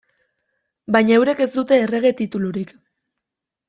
Baina eurek ez dute errege titulurik.